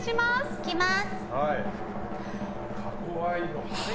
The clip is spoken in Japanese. いきます！